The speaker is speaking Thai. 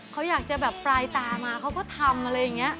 เขาอยากจะแบบปลายตามาเขาก็ทำอะไรอย่างนี้